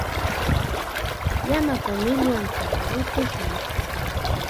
Llamapa millwanta rutushun.